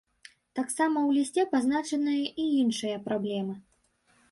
Таксама ў лісце пазначаныя і іншыя праблемы.